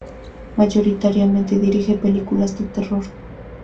Mayoritariamente dirige películas de terror.